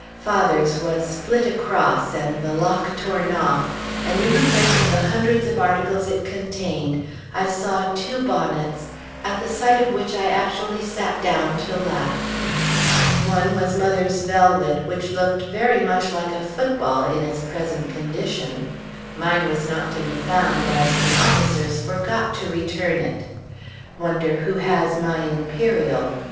Father's was split across, and the lock torn off, and in the place of the hundreds of articles it contained, I saw two bonnets at the sight of which I actually sat down to laugh. One was mother's velvet, which looked very much like a football in its present condition. Mine was not to be found, as the officers forgot to return it. Wonder who has my imperial?